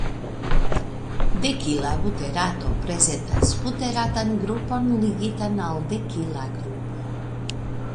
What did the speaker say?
Dekila buterato prezentas buteratan grupon ligitan al dekila grupo.